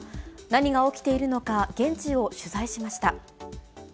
何が起きているのか、現地を取材しました。